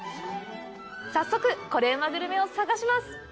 早速コレうまグルメを探します！